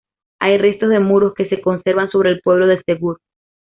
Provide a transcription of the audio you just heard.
Hay restos de muros que se conservan sobre el pueblo de Segur.